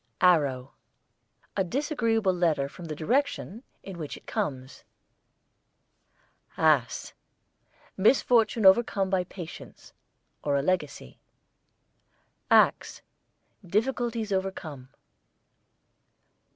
ARROW, a disagreeable letter from the direction in which it comes. ASS, misfortune overcome by patience; or a legacy. AXE, difficulties overcome.